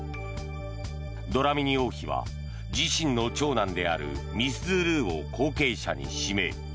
ドラミニ王妃は自身の長男であるミスズールーを後継者に指名。